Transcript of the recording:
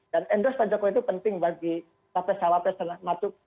dan endorse pak jokowi itu penting bagi capres cak wapres dan matuk